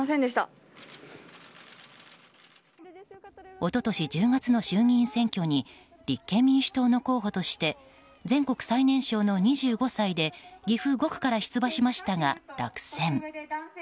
一昨年１０月の衆議院選挙に立憲民主党の候補として全国最年少の２５歳で岐阜５区から出馬しましたが落選。